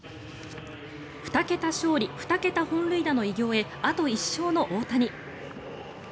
２桁勝利２桁本塁打の偉業へあと１勝の大谷。